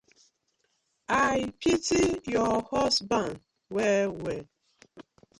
I pity yu husban well well.